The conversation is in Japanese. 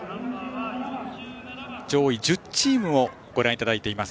上位１０チームをご覧いただいています。